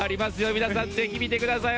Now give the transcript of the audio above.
皆さんぜひ見てください。